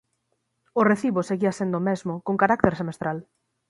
O recibo seguía sendo o mesmo, con carácter semestral.